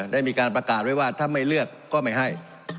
ได้มีการประกาศไว้ว่าถ้าไม่เลือกก็ไม่ให้